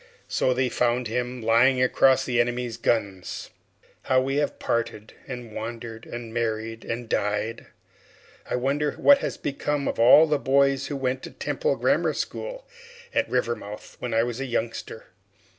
So they found him lying across the enemy's guns. How we have parted, and wandered, and married, and died! I wonder what has become of all the boys who went to the Temple Grammar School at Rivermouth when I was a youngster?